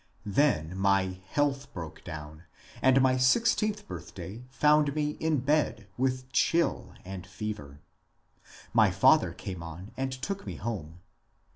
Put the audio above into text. Then my health broke down, and my sixteenth birthday found me in bed with chill and fever. My father came on and took me home.